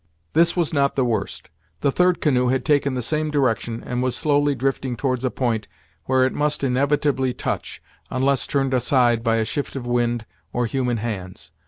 This was not the worst. The third canoe had taken the same direction, and was slowly drifting towards a point where it must inevitably touch, unless turned aside by a shift of wind, or human hands.